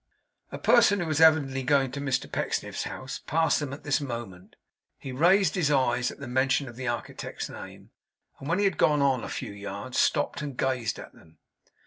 A person who was evidently going to Mr Pecksniff's house, passed them at this moment. He raised his eyes at the mention of the architect's name; and when he had gone on a few yards, stopped and gazed at them.